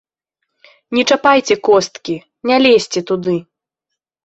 Не чапайце косткі, не лезьце туды!